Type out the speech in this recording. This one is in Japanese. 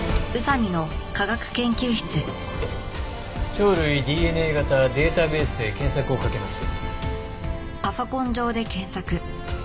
鳥類ＤＮＡ型データベースで検索をかけます。